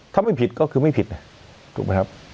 ถ้าไม่ผิดก็คือไม่ผิดนะถูกไหมครับ